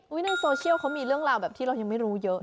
ในโซเชียลเขามีเรื่องราวแบบที่เรายังไม่รู้เยอะ